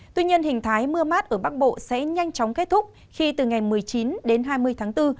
tuy nhiên hình thái mưa mát ở bắc bộ sẽ nhanh chóng kết thúc khi từ ngày một mươi chín đến hai mươi tháng bốn